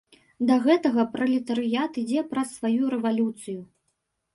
Да гэтага пралетарыят ідзе праз сваю рэвалюцыю.